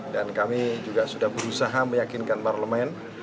dan kami juga sudah berusaha meyakinkan parlemen